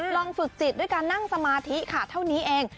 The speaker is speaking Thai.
ลองฝึกจิตด้วยการนั่งสมาธิค่ะเท่านี้เอง